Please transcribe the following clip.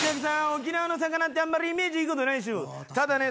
沖縄の魚ってあんまりイメージいいことないでしょただね